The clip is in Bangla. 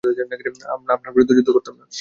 আর আপনার বিরুদ্ধে যুদ্ধ করতাম না।